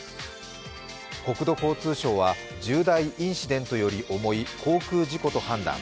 国土交通省は重大インシデントより重い航空事故と判断。